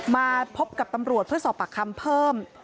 มาพบกับตำรวจเพื่อสอบปากคำเพิ่ม